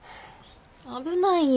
危ないよ。